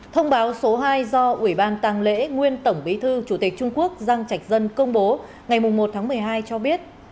thông báo số hai do ủy ban tàng lễ nguyên tổng bí thư chủ tịch trung quốc giang trạch dân công bố ngày một tháng một mươi hai cho biết